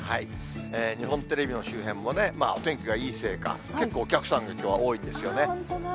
日本テレビの周辺もね、お天気がいいせいか、結構、お客さんがきょうは多いんですよね。